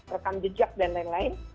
rekam jejak dan lain lain